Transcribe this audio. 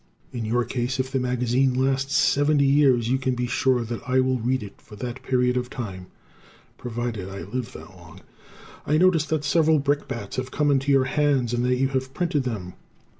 In your case, if the magazine lasts seventy years, you can be sure that I will read it for that period of time (provided I live that long). I notice that several brickbats have come into your hands and that you have printed them.